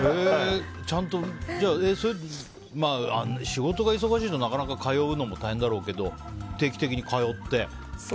仕事が忙しいとなかなか通うのも大変だろうけど定期的に通って？